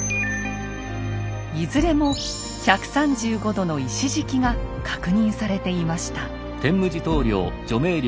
いずれも１３５度の石敷きが確認されていました。